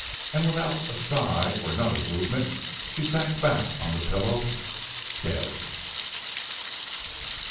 And without a sigh or another movement she sank back on the pillow, dead."